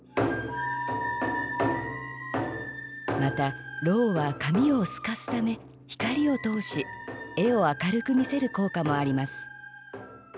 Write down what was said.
また蝋は紙を透かすため光を通し絵を明るく見せる効果もあります。